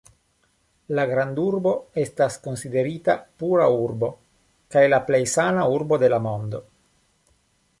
La grandurbo estas konsiderita pura urbo kaj la plej sana urbo de la mondo.